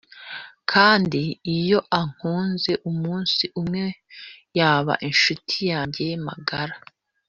kandi iyo akuze umunsi umwe yaba inshuti yanjye magara.